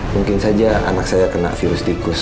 mungkin saja anak saya kena virus tikus